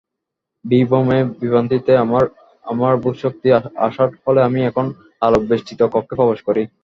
বিভ্রমে-বিভ্রান্তিতে আমার বোধশক্তি অসাড় হলে আমি প্রখর আলোকবেষ্টিত কক্ষে প্রবেশ করি।